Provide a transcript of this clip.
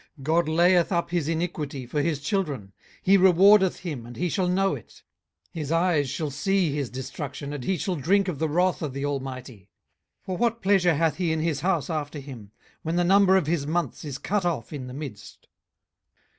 18:021:019 God layeth up his iniquity for his children: he rewardeth him, and he shall know it. 18:021:020 His eyes shall see his destruction, and he shall drink of the wrath of the Almighty. 18:021:021 For what pleasure hath he in his house after him, when the number of his months is cut off in the midst?